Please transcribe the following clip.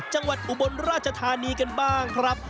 จังหวัดอุบลราชธานีกันบ้างครับ